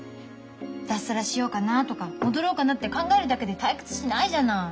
脱サラしようかなとか戻ろうかなって考えるだけで退屈しないじゃない。